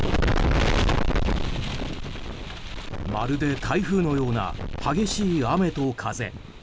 まるで台風のような激しい雨と風。